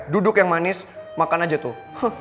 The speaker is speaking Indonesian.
duduk yang manis makan aja tuh